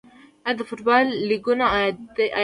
آیا د فوټبال لیګونه عاید لري؟